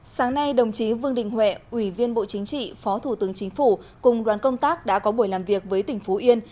sáng nay đồng chí vương đình huệ ủy viên bộ chính trị phó thủ tướng chính phủ cùng đoàn công tác đã có buổi làm việc với tỉnh phú yên